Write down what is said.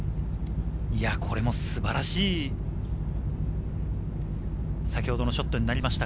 これも素晴らしい、先ほどのショットになりました。